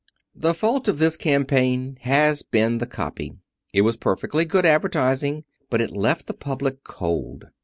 The fault of this campaign has been the copy. It was perfectly good advertising, but it left the public cold.